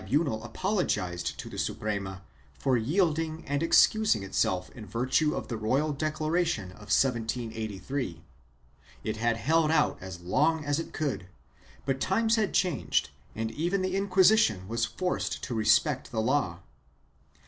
366 SUPEEEMINENCE [Boos II gized to the Suprema for yielding and excused itself in virtue of the royal declaration of 1783. It had held out as long as it could, but times had changed and even the Inquisition was forced to respect the law.